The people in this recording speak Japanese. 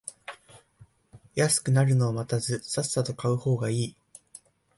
安くなるのを待たずさっさと買う方がいい